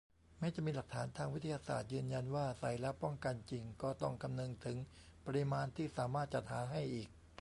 แม้จะมีหลักฐานทางวิทยาศาสตร์ยืนยันว่าใส่แล้วป้องกันจริง ก็ต้องคำนึงถึงปริมาณที่สามารถจัดหาให้อีก